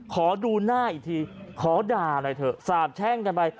ขอดูหน้าอีกทีขอด่าหน่อยเถอะสาบแช่งกันไป